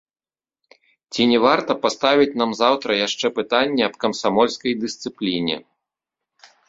Ці не варта паставіць нам заўтра яшчэ пытанне аб камсамольскай дысцыпліне.